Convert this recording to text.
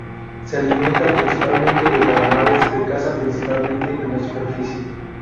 Se alimenta principalmente de calamares, que caza principalmente en la superficie.